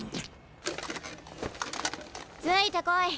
ついてこい！